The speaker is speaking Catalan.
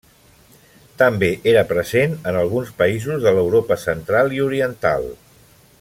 També era present en alguns països de l'Europa Central i Oriental.